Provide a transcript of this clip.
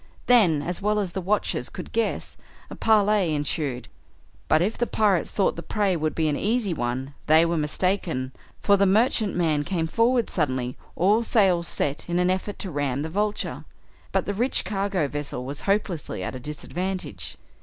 Then, as well as the watchers could guess, a parley ensued, but if the pirates thought the prey would be an easy one they were mistaken, for the merchantman came forward suddenly, all sails set, in an effort to ram the Vulture. But the rich cargo vessel was hopelessly at a disadvantage.